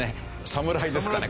侍ですかね？